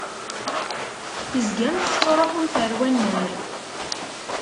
Tezgamt tettṛuḥumt ar wannar.